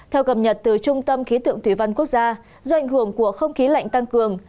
theo cập nhật từ trung tâm khí tượng thủy văn quốc gia do ảnh hưởng của không khí lạnh tăng cường